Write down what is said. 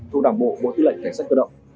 thuộc đảng bộ bộ tư lệnh cảnh sát cơ động